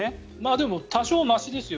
でも多少はましですよ。